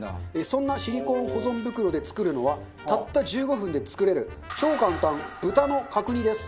そんなシリコーン保存袋で作るのはたった１５分で作れる超簡単豚の角煮です。